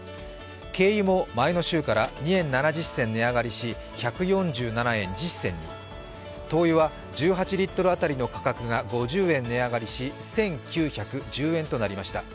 軽油も前の週から２円７０銭値上がりし、１４７円１０銭に、灯油は１８リットル当たりの価格が５０円値上がりし１９１０円となりました。